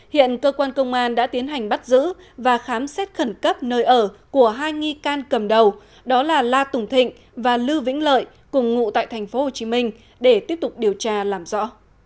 hiện cơ quan công an đã tiến hành bắt giữ và khám xét khẩn cấp nơi ở của hai nghi can cầm đầu đó là la tùng thịnh và lưu vĩnh lợi cùng ngụ tại tp hcm để tiếp tục điều tra làm rõ